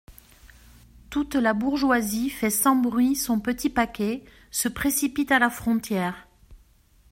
Toute la bourgeoisie fait sans bruit son petit paquet, se précipite à la frontière.